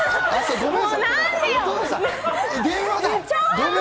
ごめん。